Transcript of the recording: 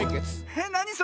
えっなにそれ⁉